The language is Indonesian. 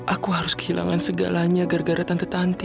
aku harus kehilangan segalanya gara gara tante tante